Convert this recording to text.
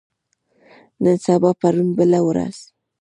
نن سبا پرون بله ورځ